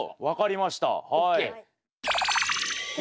分かりましたはい。